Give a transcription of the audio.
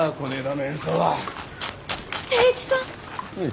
定一さん？